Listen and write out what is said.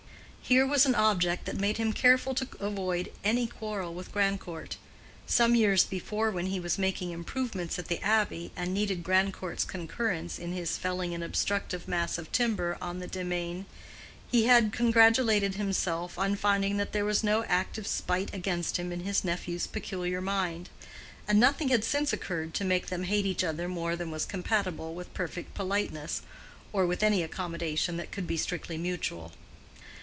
Here was an object that made him careful to avoid any quarrel with Grandcourt. Some years before, when he was making improvements at the Abbey, and needed Grandcourt's concurrence in his felling an obstructive mass of timber on the demesne, he had congratulated himself on finding that there was no active spite against him in his nephew's peculiar mind; and nothing had since occurred to make them hate each other more than was compatible with perfect politeness, or with any accommodation that could be strictly mutual.